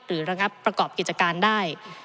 ระงับประกอบกิจการได้